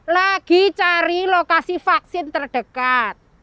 lagi cari lokasi vaksin terdekat